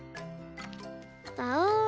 パオン。